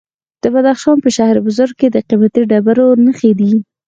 د بدخشان په شهر بزرګ کې د قیمتي ډبرو نښې دي.